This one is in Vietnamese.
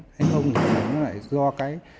thế không thì nó lại do cái